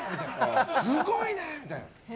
すごいね！みたいな。